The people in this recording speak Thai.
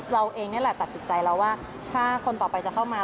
เราเองนี่แหละตัดสินใจแล้วว่าถ้าคนต่อไปจะเข้ามา